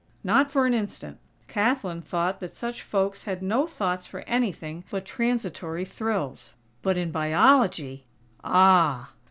Not for an instant! Kathlyn thought that such folks had no thoughts for anything but transitory thrills. But in Biology!! Ah!!